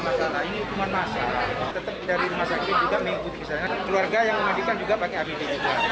masalah ini cuma masalah tetap dari rumah sakit juga mengikut keluarga yang memadikan juga pakai